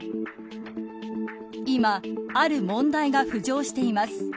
今、ある問題が浮上しています。